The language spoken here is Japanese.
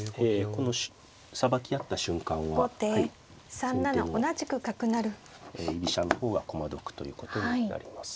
このさばき合った瞬間は先手の居飛車の方が駒得ということになります。